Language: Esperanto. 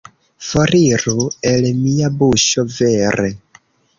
Foriru el mia buŝo, vere!